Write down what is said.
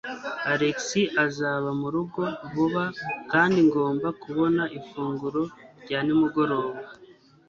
Alex azaba murugo vuba kandi ngomba kubona ifunguro rya nimugoroba.